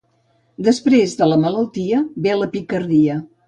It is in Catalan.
Després de la malaltia ve la picardia.